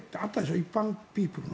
一般ピープルの。